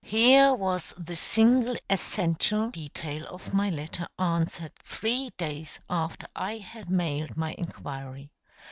Here was the single essential detail of my letter answered three days after I had mailed my inquiry.